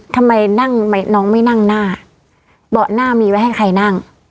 ทำไมนั่งน้องไม่นั่งหน้าเบาะหน้ามีไว้ให้ใครนั่ง